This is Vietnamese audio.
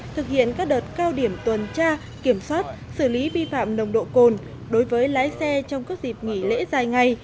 thực hiện các đợt cao điểm tuần tra kiểm soát xử lý vi phạm nồng độ cồn đối với lái xe trong các dịp nghỉ lễ dài ngày